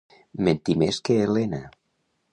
Mentir més que Helena.